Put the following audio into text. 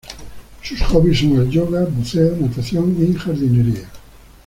Sus hobbies son el yoga, buceo, natación y jardinería.